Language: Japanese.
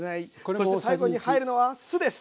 そして最後に入るのは酢です！